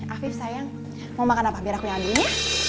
afif sayang mau makan apa biar aku ambil ya